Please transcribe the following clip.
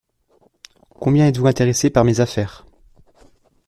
Combien êtes-vous intéressé par mes affaires ?